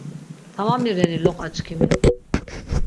Tamami reni loqaçkimi?